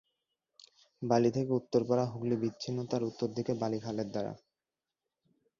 বালী থেকে উত্তরপাড়া, হুগলি বিচ্ছিন্ন তার উত্তর দিকে বালি খালের দ্বারা।